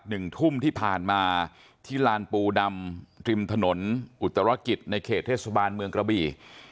หนึ่งทุ่มที่ผ่านมาที่ลานปูดำริมถนนอุตรกิจในเขตเทศบาลเมืองกระบี่